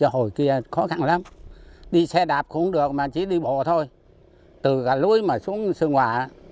hồi kia khó khăn lắm đi xe đạp cũng được mà chỉ đi bộ thôi từ cả lưới mà xuống sơn hòa